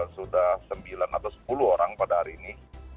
sudah sembilan atau sepuluh orang pada hari ini